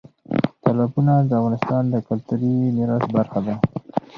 تالابونه د افغانستان د کلتوري میراث برخه ده.